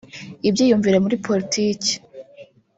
ibyiyumviro muri politiki